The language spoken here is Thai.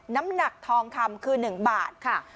น้ำหนักทองคำคือ๑บาทค่ะ